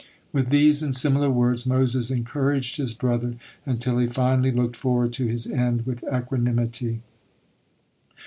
With these and similar words Moses encouraged his brother, until he finally looked forward to his end with equanimity.